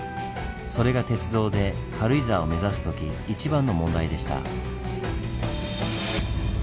それが鉄道で軽井沢を目指す時一番の問題でした。